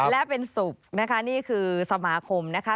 และเป็นศุกร์นะคะนี่คือสมาคมนะคะ